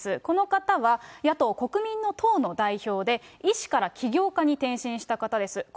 この方は、野党・国民の党の代表で、医師から起業家に転身した方です。